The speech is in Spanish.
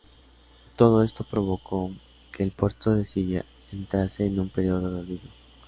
Todo esto provocó que el Puerto de Silla entrase en un periodo de olvido.